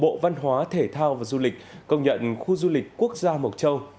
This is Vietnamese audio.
bộ văn hóa thể thao và du lịch công nhận khu du lịch quốc gia mộc châu